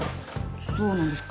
そうなんですよ。